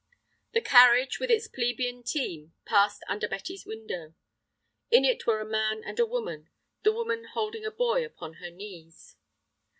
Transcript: The carriage with its plebeian team passed under Betty's window. In it were a man and a woman, the woman holding a boy upon her knees.